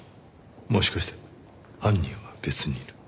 もしかして犯人は別にいる。